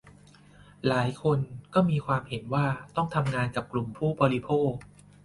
หลายคน ก็มีความเห็นว่าต้องทำงานกับกลุ่มผู้บริโภค